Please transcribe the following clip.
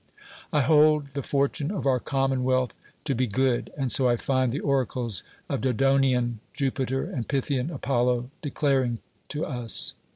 I hold the fortune of our commonwealth to be 170 DEMOSTHENES good, and so I find the oracles of Dodona^an Jupiter and Phytliian Apollo declaring to us.